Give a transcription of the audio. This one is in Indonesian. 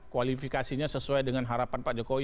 kualifikasinya sesuai dengan harapan pak jokowi